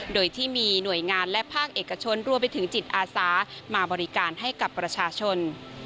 โดยที่มีหน่วยงานและภาคเอกชนรวมไปถึงจิตอาสามาบริการให้กับประชาชน